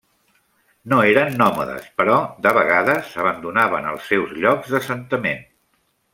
No eren nòmades, però de vegades abandonaven els seus llocs d'assentament.